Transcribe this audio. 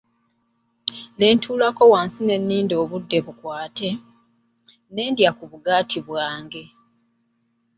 Ne ntuulako wansi ninde obudde bukwate, ne ndya ku bugaati bwange.